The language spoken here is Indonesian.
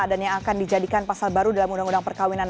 yang akan dijadikan pasal baru dalam undang undang perkawinan